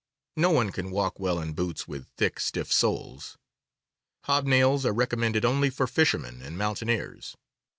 No one can walk well in boots with thick, stiff soles. Hob nails are recommended only for fishermen and mountaineers.